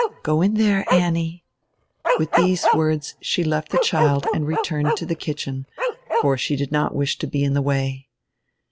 "Go in there, Annie." With these words she left the child and returned to die kitchen, for she did not wish to be in die way.